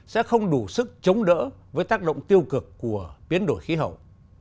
sẽ không đủ sức chống đỡ với tác động tiêu cực của biến đổi khí hậu